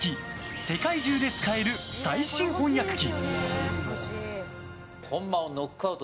世界中で使える最新翻訳機。